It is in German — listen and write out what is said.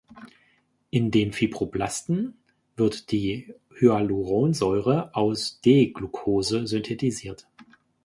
In den Fibroblasten wird die Hyaluronsäure aus D-Glucose synthetisiert.